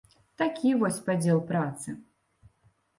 Такі вось падзел працы.